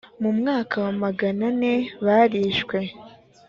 mu mwaka wa magana ane barishwe